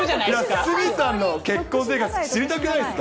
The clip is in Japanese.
鷲見さんの結婚生活、知りたくないですか。